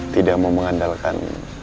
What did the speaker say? tidak mau mengandalkan